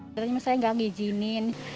sebenarnya saya nggak ngijinin